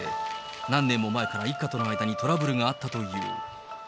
何年も前から一家との間にトラブルがあったという。